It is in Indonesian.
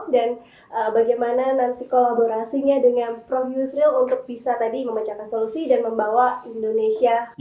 dan bagaimana nanti kolaborasinya dengan prof yusril untuk bisa tadi memencetkan solusi dan membawa indonesia kembali